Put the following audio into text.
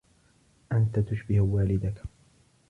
أنت تشبه والدك.